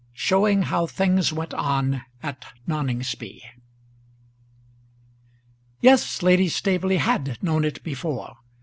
SHOWING HOW THINGS WENT ON AT NONINGSBY. Yes, Lady Staveley had known it before.